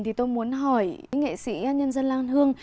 thì tôi muốn hỏi nghệ sĩ nhân dân lan hương